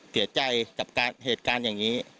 เสียใจกับเหตุการณ์อย่างนี้